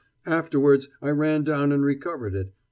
"Afterwards I ran down and recovered it.